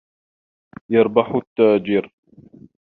يَرْبَحُ التَّاجِرُ.